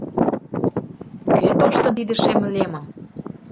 кӧ тоштын тиде шем лемым